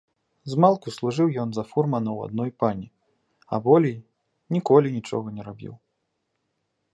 Змалку служыў ён за фурмана ў адной пані, а болей ніколі нічога не рабіў.